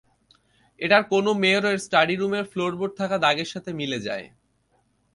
এটার কোনা মেয়রের স্টাডিরুমের ফ্লোরবোর্ডে থাকা দাগের সাথে মিলে যায়।